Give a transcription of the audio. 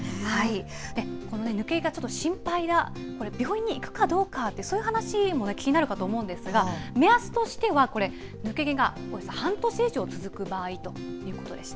このように抜け毛がちょっと心配だ、病院に行くかどうか、そういう話も気になるかと思うんですが、目安としてはこれ、抜け毛が半年以上続く場合ということでした。